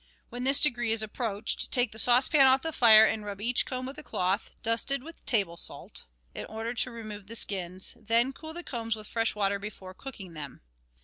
When this degree is approached, take the saucepan off the fire and rub each comb with a cloth, dusted with table salt, in order to remove the skins; then cool the combs with fresh water before cooking them.